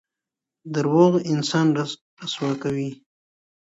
درواغ انسان رسوا کوي.